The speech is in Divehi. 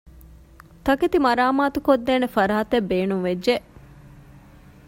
ތަކެތި މަރާމާތުކޮށްދޭނެ ފަރާތެއް ބޭނުންވެއްޖެ